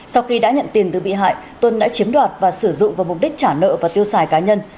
sau khi đã nhận tiền từ bị hại tuân đã chiếm đoạt và sử dụng vào mục đích trả nợ và tiêu xài cá nhân